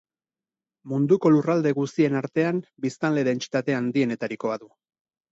Munduko lurralde guztien artean biztanle dentsitate handienetarikoa du.